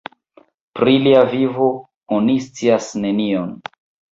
Pri lia vivo oni scias nenion.